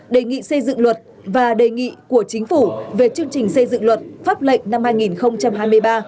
đề nghị xây dựng luật và đề nghị của chính phủ về chương trình xây dựng luật pháp lệnh năm hai nghìn hai mươi ba